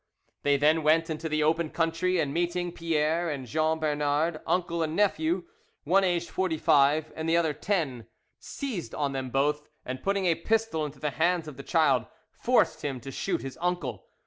They then went into the open country and meeting Pierre and Jean Bernard, uncle and nephew, one aged forty five and the other ten, seized on them both, and putting a pistol into the hands of the child, forced him to shoot his uncle.